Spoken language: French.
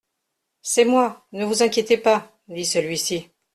C'est moi, ne vous inquiétez pas, dit celui-ci.